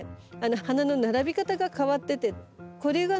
花の並び方が変わっててこれがね